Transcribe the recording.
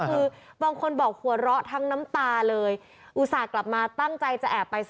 คือบางคนบอกหัวเราะทั้งน้ำตาเลยอุตส่าห์กลับมาตั้งใจจะแอบไป